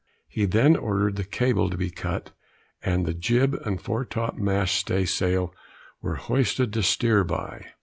He then ordered the cable to be cut; and the jib and fore top mast stay sail were hoisted to steer by.